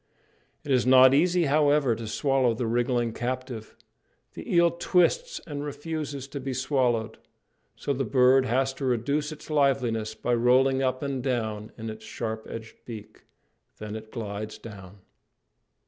It is not easy, however, to swallow the wriggling captive. The eel twists, and refuses to be swallowed; so the bird has to reduce its liveliness by rolling up and down in its sharp edged beak. Then it glides down.